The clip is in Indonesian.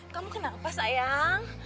kamu kenapa sayang